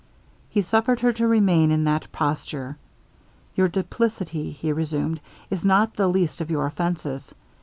He suffered her to remain in this posture. 'Your duplicity,' he resumed, 'is not the least of your offences.